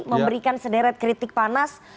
memberikan sederet kritik panas